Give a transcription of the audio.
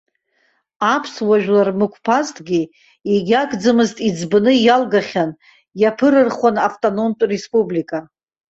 Аԥсуа жәлар мықәԥазҭгьы, егьагӡамызт, иӡбаны иалгахьан, иаԥырырхуан автономтә республика.